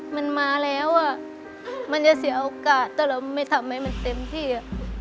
มันมาแล้วมันจะเสียโอกาสแต่เราไม่ทำให้มันเต็มที่